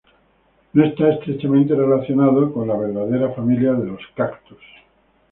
No está estrechamente relacionado con la verdadera familia de los cactus.